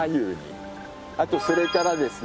あとそれからですね